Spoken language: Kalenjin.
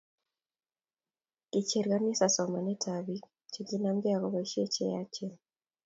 Kicher kanisa somanent ab biik chikinanmke ak cheboisie cheyachen,